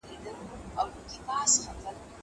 زه به اوږده موده کاغذ ترتيب وم